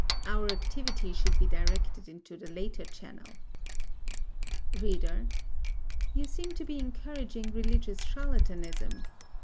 Our activity should be directed into the latter channel. READER: You seem to be encouraging religious charlatanism.